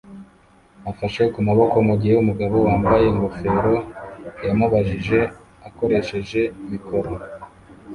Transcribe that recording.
afashe kumaboko mugihe umugabo wambaye ingofero yamubajije akoresheje mikoro